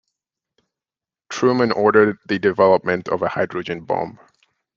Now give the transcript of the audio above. Truman ordered the development of a hydrogen bomb.